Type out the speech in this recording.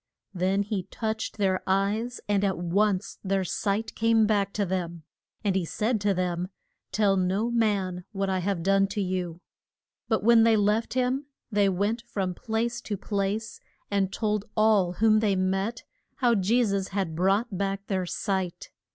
Then he touched their eyes, and at once their sight came back to them. And he said to them, Tell no man what I have done to you. But when they left him they went from place to place and told all whom they met how Je sus had brought back their sight.